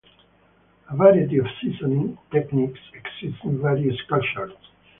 A variety of seasoning techniques exist in various cultures.